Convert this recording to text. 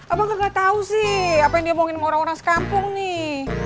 abang gak tau sih apa yang diomongin sama orang orang sekampung nih